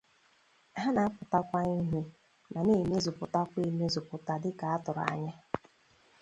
ha na-apụtakwa ìhè ma na-emezùpụtakwa emezupụta dịka a tụrụ anya.